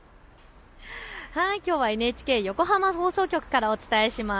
きょうはＮＨＫ横浜放送局からお伝えします。